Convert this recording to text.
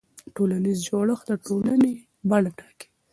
ټولنیز جوړښت د ټولنې بڼه ټاکي.